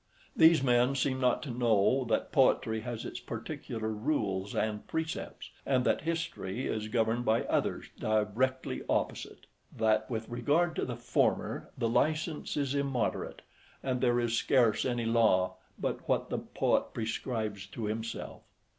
These men seem not to know that poetry has its particular rules and precepts; and that history is governed by others directly opposite. That with regard to the former, the licence is immoderate, and there is scarce any law but what the poet prescribes to himself.